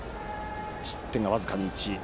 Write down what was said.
失点は僅かに１。